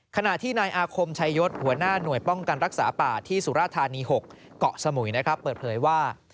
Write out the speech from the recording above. ขณะที่นายอาคมชัยยศหัวหน้าหน่วยป้องกันรักษาป่าที่สุราธานี๖เกาะสมุยนะครับเปิดเผยว่า